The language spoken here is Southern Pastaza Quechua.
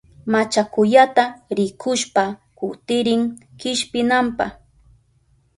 Machakuyata rikushpa kutirin kishpinanpa.